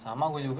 sama gue juga